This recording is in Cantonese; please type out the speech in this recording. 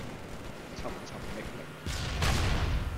尋尋覓覓，